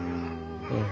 うん。